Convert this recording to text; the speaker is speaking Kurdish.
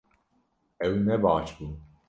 Ew ne baş bû